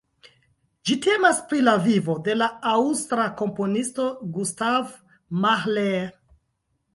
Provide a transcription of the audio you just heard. Ĝi temas pri la vivo de la aŭstra komponisto Gustav Mahler.